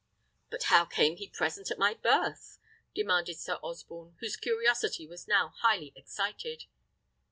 "But how came he present at my birth?" demanded Sir Osborne, whose curiosity was now highly excited.